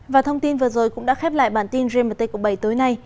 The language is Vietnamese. và thông tin vừa rồi cũng đã khép lại bản tin gmt cộng bảy tối nay